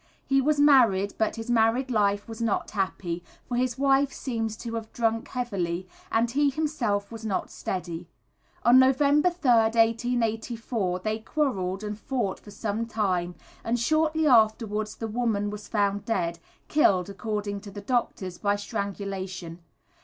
He was married, but his married life was not happy, for his wife seems to have drunk heavily, and he himself was not steady. On November 3rd, 1884, they quarrelled, and fought for some time, and shortly afterwards the woman was found dead killed, according to the doctors, by strangulation.